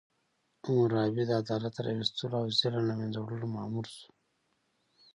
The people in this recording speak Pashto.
حموربي د عدالت راوستلو او ظلم له منځه وړلو مامور شو.